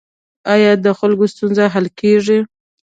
آیا د خلکو ستونزې حل کیږي؟